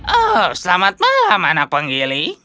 oh selamat malam anak penggiling